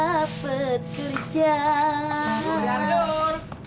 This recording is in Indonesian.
hilanglah semua perasaan